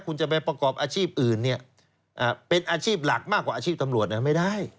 คุณจะไปประกอบอาชีพอื่นเนี่ยเป็นอาชีพหลักมากกว่าอาชีพตำรวจไม่ได้